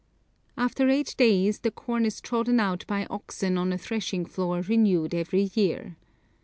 After eight days the corn is trodden out by oxen on a threshing floor renewed every year.